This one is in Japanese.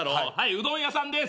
うどん屋さんです。